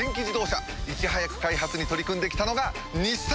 いち早く開発に取り組んで来たのが日産！